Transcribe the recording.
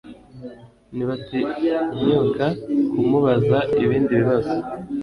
ntibatinyuka kumubaza ibindi bibazo.